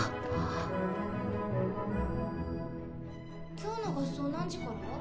今日の合奏何時から？